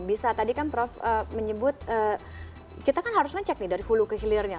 bisa tadi kan prof menyebut kita kan harus ngecek nih dari hulu ke hilirnya